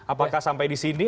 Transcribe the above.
apakah sampai di sini